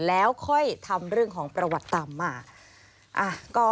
แล้วค่อยทำเรื่องของประวัติตามมา